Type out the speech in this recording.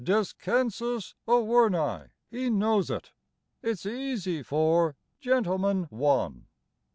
Descensus Averni he knows it; It's easy for "Gentleman, One".